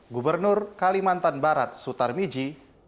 gubernur kalimantan barat sutar miji